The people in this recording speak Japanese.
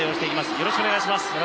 よろしくお願いします。